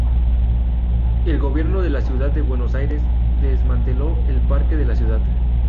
El Gobierno de la Ciudad de Buenos Aires desmanteló el Parque de la Ciudad.